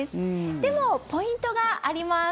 でも、ポイントがあります。